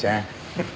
フフ。